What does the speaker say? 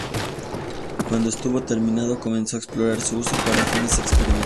Cuando estuvo terminado, comenzó a explorar su uso para fines experimentales.